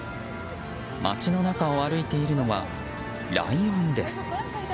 街の中を歩いているのはライオンです。